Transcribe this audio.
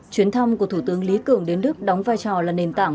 chuyến thăm của thủ tướng lý cường đến đức đóng vai trò là nền tảng